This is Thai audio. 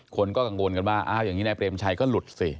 คนก็กังวลกันว่าอ้าวอย่างนี้นายเปรมชัยก็หลุดสิ